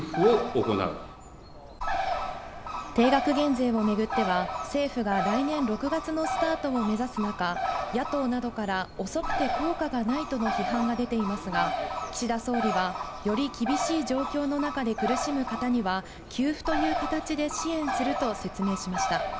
定額減税をめぐっては、政府が来年６月のスタートを目指す中、野党などから、遅くて効果がないとの批判が出ていますが、岸田総理は、より厳しい状況の中で苦しむ方には給付という形で支援すると説明しました。